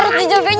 bukan ini ini